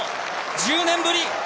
１０年ぶり！